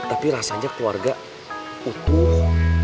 tapi rasanya keluarga utuh